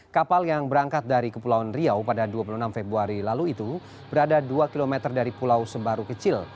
kapal yang berangkat dari kepulauan riau pada dua puluh enam februari lalu itu berada dua km dari pulau sebaru kecil